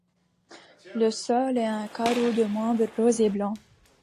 Le sol est en carreau de marbre rose et blanc.